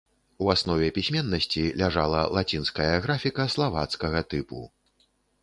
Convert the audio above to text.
У аснове пісьменнасці ляжала лацінская графіка славацкага тыпу.